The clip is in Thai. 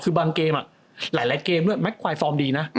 คือบางเกมหลายเกมด้วยแม็กควายฟอร์มดีนะ